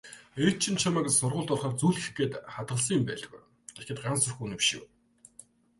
"Ээж чинь чамайг сургуульд орохоор зүүлгэх гээд хадгалсан юм байлгүй" гэхэд Гансүх үнэмшив.